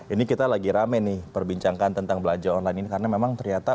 ini kita lagi rame nih perbincangkan tentang belanja online ini karena memang ternyata